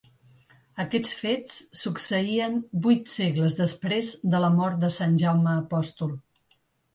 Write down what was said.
Aquests fets succeïen vuit segles després de la mort de Sant Jaume Apòstol.